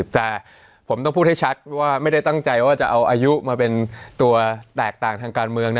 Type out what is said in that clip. แต่ผมต้องพูดให้ชัดว่าไม่ได้ตั้งใจว่าจะเอาอายุมาเป็นตัวแตกต่างทางการเมือง